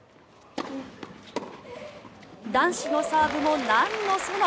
男子のサーブもなんのその。